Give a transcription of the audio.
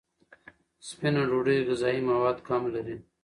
سپینه ډوډۍ غذایي مواد کم لري.